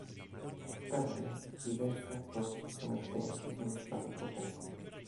Tuttavia, diversi approcci promettenti sono stati proposti.